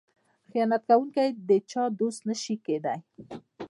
خیانت کوونکی د هیچا دوست نشي کیدی.